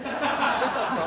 どうしたんですか？